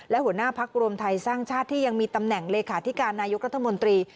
และหัวหน้าพักรวมไทยสร้างชาติที่ยังมีตำแหน่งเลขาธิการนายกรัฐมนตรี